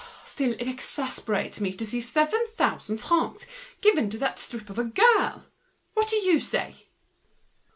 But what exasperates me is to see seven thousand francs given to that strip of a girl! What do you say?"